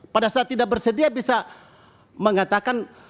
pada saat tidak bersedia bisa mengatakan